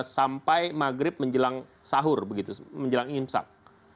sampai maghrib menjelang sahur begitu menjelang imsak